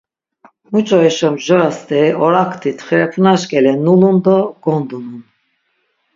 Muç̌o eşo mjora steri orakti txirepunaş ǩele nulun do gondunun.